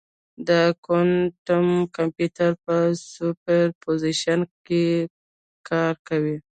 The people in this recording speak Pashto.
د کوانټم کمپیوټر په سوپرپوزیشن کار کوي.